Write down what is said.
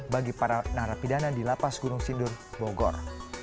bagi para narapidana di lapas gunung sindur bogor